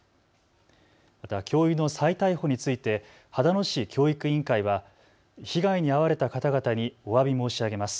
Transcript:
また教諭の再逮捕について秦野市教育委員会は、被害に遭われた方々におわび申し上げます。